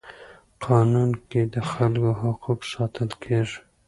قانون کي د خلکو حقوق ساتل کيږي.